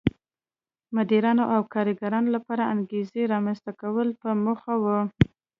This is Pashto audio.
مدیرانو او کارګرانو لپاره انګېزو رامنځته کولو په موخه و.